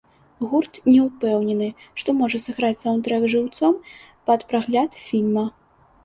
Гурт не ўпэўнены, што можа сыграць саўндтрэк жыўцом пад прагляд фільма.